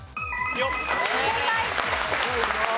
正解。